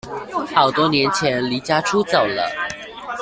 好多年前離家出走了